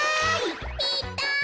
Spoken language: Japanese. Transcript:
いたい。